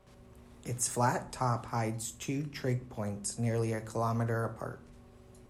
Its flat top hides two trig points nearly a kilometre apart.